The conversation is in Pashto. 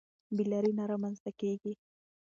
بې لارۍ نه رامنځته کېږي.